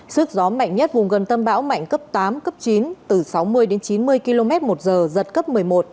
sức gió mạnh nhất vùng gần tâm bão mạnh cấp tám cấp chín từ sáu mươi đến chín mươi km một giờ giật cấp một mươi một